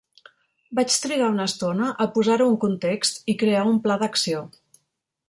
Vaig trigar una estona a posar-ho en context i crear un pla d'acció.